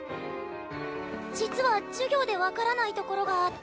実は授業で分からないところがあって。